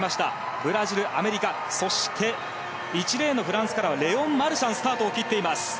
ブラジル、アメリカ、そして１レーンのフランスからはレオン・マルシャンがスタートを切っています。